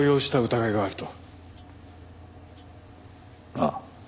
ああ。